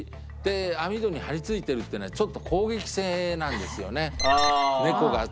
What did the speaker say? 網戸に張り付いてるっていうのはちょっと攻撃性なんですよね。